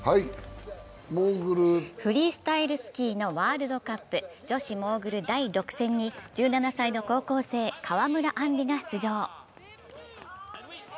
フリースタイルスキーのワールドカップ、女子のモーグル第６戦に１７歳の高校生、川村あんりが出場。